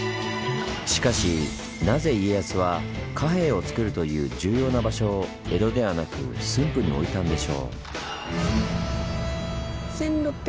しかしなぜ家康は貨幣をつくるという重要な場所を江戸ではなく駿府に置いたんでしょう？